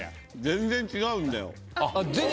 全然違うんだ？